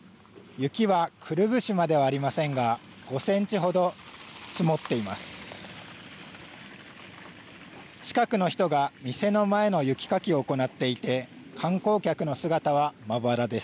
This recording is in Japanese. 雪はくるぶしまではありませんが５センチほど積もっています。